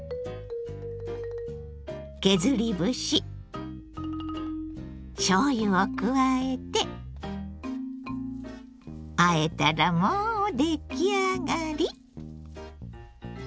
削り節しょうゆを加えてあえたらもう出来上がり！